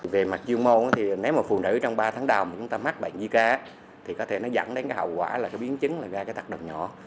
về mặt chuyên môn thì nếu mà phụ nữ trong ba tháng đầu mà chúng ta mắc bệnh zika thì có thể nó dẫn đến cái hậu quả là cái biến chứng là gây cái tác động nhỏ